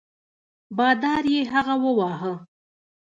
بادار یې هغه وواهه.